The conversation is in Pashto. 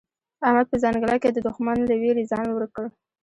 احمد په ځنګله کې د دوښمن له وېرې ځان ورک کړ.